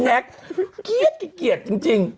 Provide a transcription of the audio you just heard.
แน็กท์ว่าเขียบจริง